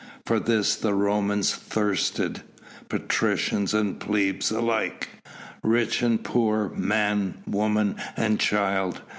For this the Romans thirsted patricians and plebs alike, rich and poor, man, woman and child.